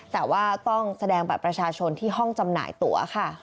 แต่ว่าต้องแสดงบัตรประชาชนที่ห้องจำหน่ายตัวค่ะ